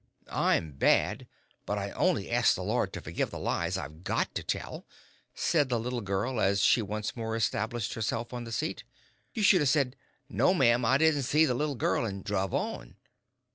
"I'm bad, but I only asked the Lord to forgive the lies I'd got to tell," said the little girl as she once more established herself on the seat. "You should 'a' said, 'No, ma'am, I didn't see the little girl' an' druv on."